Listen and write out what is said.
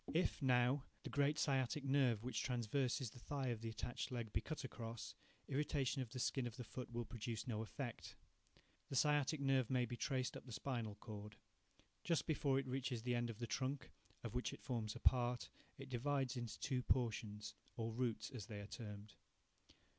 If, now, the great sciatic nerve which traverses the thigh of the attached leg be cut across, irritation of the skin of the foot will produce no effect. The sciatic nerve may be traced up to the spinal cord. Just before it reaches the end of the trunk, of which it forms a part, it divides into two portions, or roots, as they are termed.